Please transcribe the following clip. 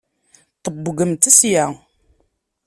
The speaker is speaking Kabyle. Ṭebbgemt sya!